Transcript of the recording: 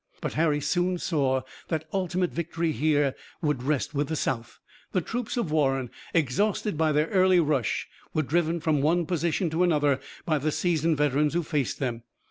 But Harry soon saw that ultimate victory here would rest with the South. The troops of Warren, exhausted by their early rush, were driven from one position to another by the seasoned veterans who faced them.